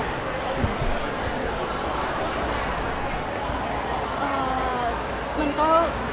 เอ่อมันก็